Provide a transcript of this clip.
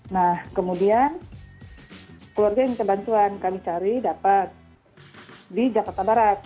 nah kemudian keluarga yang minta bantuan kami cari dapat di jakarta barat